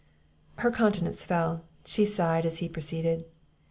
Her countenance fell, she sighed; he proceeded.